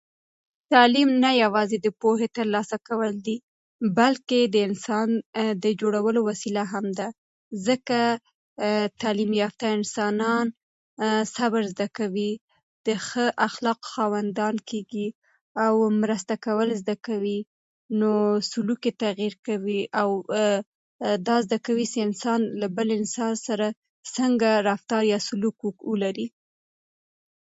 تعلیم نه یوازې د پوهې ترلاسه کول دي بلکې د انسان د جوړولو وسیله هم ده ځکه تعلیم یافته انسانان صبر زده کوي د ښه اخلاقو خاوندان کیږي او مرسته کول زده کوي سلوک تغییر کیږې او دا زده کوي چې انسان له بل انسان سره څنگه سلوک یا رفتار ولري